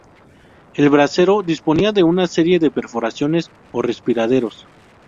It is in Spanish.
El brasero disponía de una serie de perforaciones o respiraderos.